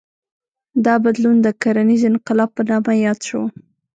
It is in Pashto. دا بدلون د کرنیز انقلاب په نامه یاد شو.